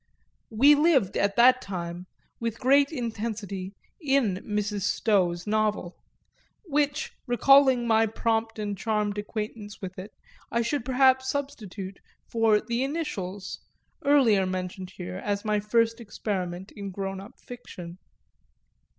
We lived and moved at that time, with great intensity, in Mrs. Stowe's novel which, recalling my prompt and charmed acquaintance with it, I should perhaps substitute for The Initials, earlier mentioned here, as my first experiment in grown up fiction.